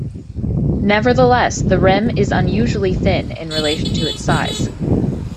Nevertheless, the rim is unusually thin in relation to its size.